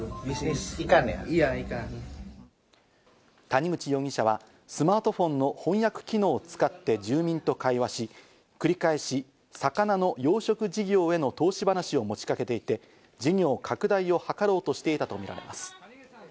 谷口容疑者はスマートフォンの翻訳機能を使って住民と会話し、繰り返し魚の養殖事業への投資話を持ちかけていて、事業拡大を図ろうとしていたとみられます。